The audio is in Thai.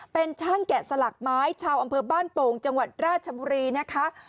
เป็นช่างแกะสลักไม้ชาวอำเภอบ้านโป่งจังหวัดราชบุรีนะคะ